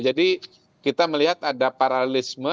jadi kita melihat ada paralelisme